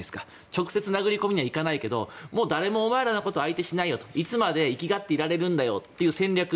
直接殴り込みにはいかないけどもう誰もお前らのことは相手にしないよといつまで粋がっていられるんだよという戦略。